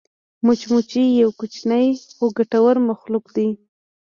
مچمچۍ یو کوچنی خو ګټور مخلوق دی